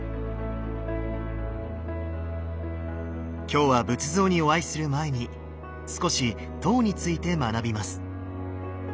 今日は仏像にお会いする前に少し塔について学びます。